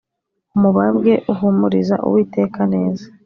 umubabwe uhumurira Uwiteka neza